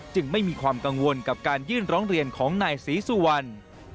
ไม่มีความกังวลกับการยื่นร้องเรียนของนายศรีสุวรรณ